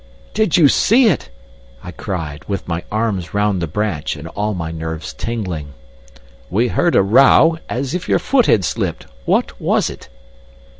"Did you see it?" I cried, with my arms round the branch and all my nerves tingling. "We heard a row, as if your foot had slipped. What was it?"